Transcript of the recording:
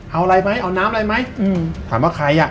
เอาอะไรไหมเอาน้ำอะไรไหม